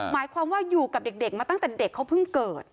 หมายความว่าอยู่กับเด็กมาตั้งแต่เด็กเขาเพิ่งเกิด